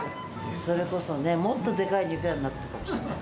それこそね、もっとでかい肉屋になってたかもしれない。